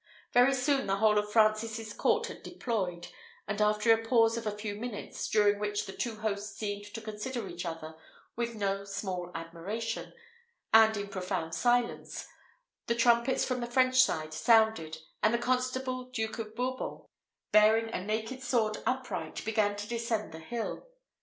Very soon the whole of Francis's court had deployed; and after a pause of a few minutes, during which the two hosts seemed to consider each other with no small admiration, and in profound silence, the trumpets from the French side sounded, and the constable Duke of Bourbon, bearing a naked sword upright, began to descend the hill.